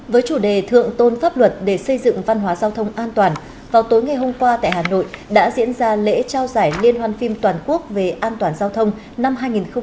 với chủ đề thượng tôn pháp luật để xây dựng văn hóa giao thông an toàn vào tối ngày hôm qua tại hà nội đã diễn ra lễ trao giải liên hoan phim toàn quốc về an toàn giao thông năm hai nghìn một mươi chín